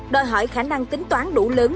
đòi hỏi khả năng tính toán đủ lớn